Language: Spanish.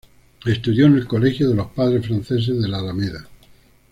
Estudió en el Colegio de los Padres Franceses de la Alameda.